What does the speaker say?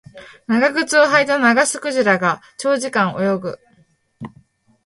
長靴を履いたナガスクジラが長時間泳ぐ